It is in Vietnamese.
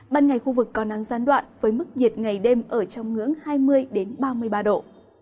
ban ngày khu vực có nắng gián đoạn với mức nhiệt ngày đêm ở trong ngưỡng hai mươi ba mươi ba độ